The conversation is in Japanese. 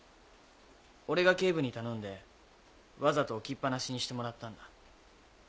俺が警部に頼んでわざと置きっ放しにしてもらったんだ。